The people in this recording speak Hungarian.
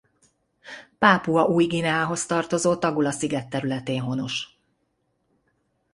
Pápua Új-Guineához tartozó Tagula-sziget területén honos.